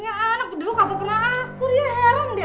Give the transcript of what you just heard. nggak anak bedua kagak pernah akur ya heran deh